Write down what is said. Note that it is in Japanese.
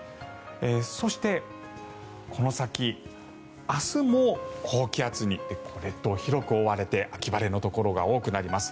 そして、この先明日も高気圧に列島広く覆われて秋晴れのところが多くなります。